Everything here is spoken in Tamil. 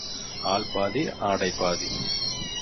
ஆள் பாதி, ஆடை பாதி.